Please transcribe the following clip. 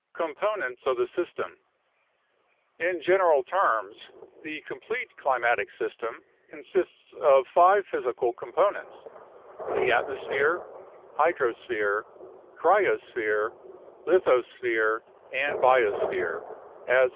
Components of the System In general terms the complete climatic system consists of five physical components — the atmosphere, hydrosphere, cryosphere, lithosphere, and biosphere, as follows : 13 a CO H O o ♦=*